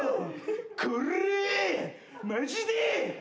これぇマジでぇ。